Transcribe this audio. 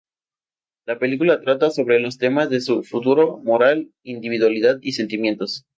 La película trata sobre los temas de su futuro, moral, individualidad, y sentimientos.